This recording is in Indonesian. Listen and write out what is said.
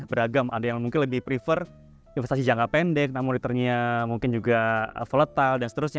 beragam ada yang mungkin lebih prefer investasi jangka pendek monitornya mungkin juga volatile dan seterusnya